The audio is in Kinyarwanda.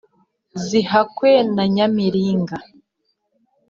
zihakwe na nyamiringa,